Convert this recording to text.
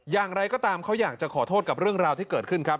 อย่างไรก็ตามเขาอยากจะขอโทษกับเรื่องราวที่เกิดขึ้นครับ